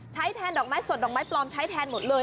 แทนดอกไม้สดดอกไม้ปลอมใช้แทนหมดเลย